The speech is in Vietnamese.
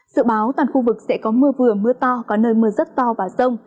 sự báo toàn khu vực sẽ có mưa vừa mưa to có nơi mưa rất to và rông